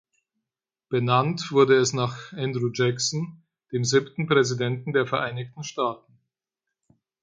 Benannt wurde es nach Andrew Jackson, dem siebten Präsidenten der Vereinigten Staaten.